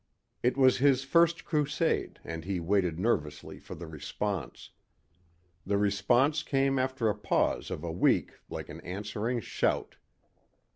It was his first crusade and he waited nervously for the response. The response came after a pause of a week like an answering shout.